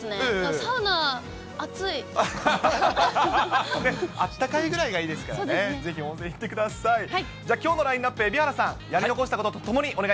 サウナ、あったかいぐらいがいいですからね、ぜひ温泉行ってください。